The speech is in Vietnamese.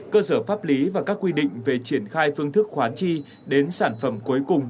cơ sở pháp lý và các quy định về triển khai phương thức khoán chi đến sản phẩm cuối cùng